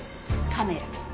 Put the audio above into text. カメラ。